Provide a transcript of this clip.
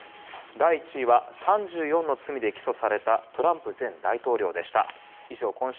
第１位は、３４の罪で起訴されたトランプ前大統領でした。